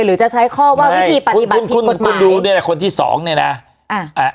หรือจะใช้ข้อว่าวิธีปฏิบัติผิดกฎหมายคุณคุณคุณดูเนี้ยคนที่สองเนี้ยน่ะอ่า